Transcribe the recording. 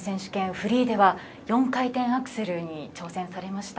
フリーでは４回転アクセルに挑戦されました。